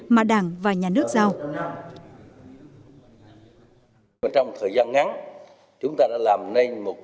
mà đảng và nhà nước giao